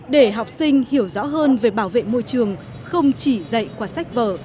để học sinh hiểu rõ hơn về bảo vệ môi trường không chỉ dạy qua sách vở